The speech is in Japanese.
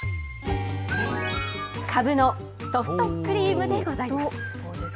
かぶのソフトクリームでございます。